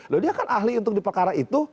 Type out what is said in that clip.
loh dia kan ahli untuk di perkara itu